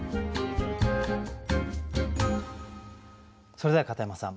それでは片山さん